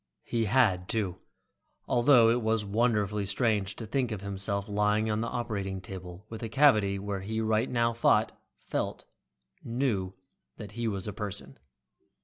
He had, too, although it was wonderfully strange to think of himself lying on the operating table with a cavity where he right now thought, felt, knew that he was a person.